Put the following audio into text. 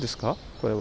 これは。